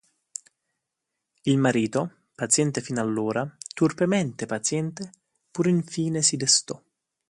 Il marito, paziente fin allora, turpemente paziente, pur infine si destò.